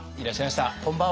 こんばんは。